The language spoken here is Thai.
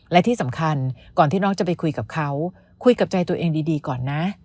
และที่สำคัญก่อนที่น้องจะไปคุยกับเขาคุยกับใจตัวเองดีก่อนนะ